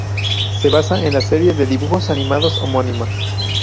Se basa en la serie de dibujos animados homónima.